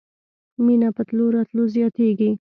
مينه په تلو راتلو زياتېږي.